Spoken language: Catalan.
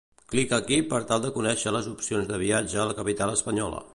Clica aquí per tal de conèixer les opcions de viatge a la capital espanyola.